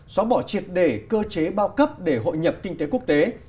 xóa bỏ triệt đề cơ chế bao cấp để hội nhập kinh tế quốc tế